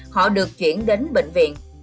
họ được chuyển đến bệnh viện